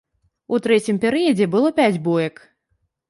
У трэцім перыядзе было пяць боек.